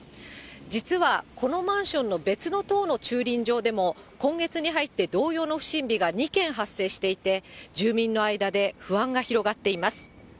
実はこのマンションの別の棟の駐輪場でも、今月に入って同様の不審火が２件発生していて、住民の間で不安が広がっています。